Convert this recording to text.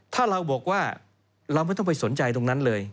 ถ้าเราบอกว่าเราไม่ต้องไปสนใจตรงนั้นเลย